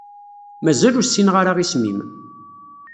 Mazal ur ssineɣ ara isem-im.